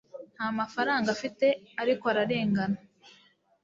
Nta mafaranga afite ariko ararengana